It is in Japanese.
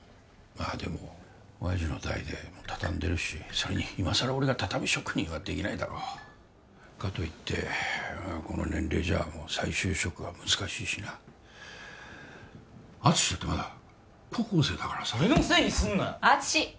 まあでも親父の代で畳んでるしそれに今さら俺が畳職人はできないだろかといってこの年齢じゃもう再就職は難しいしな敦だってまだ高校生だからさ俺のせいにすんなよ